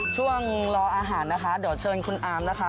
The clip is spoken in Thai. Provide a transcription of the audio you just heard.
ช่วงรออาหารนะคะเดี๋ยวเชิญคุณอามนะคะ